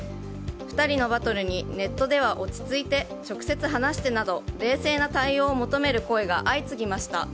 ２人のバトルにネットでは落ち着いて、直接話してなど冷静な対応を求める声が相次ぎました。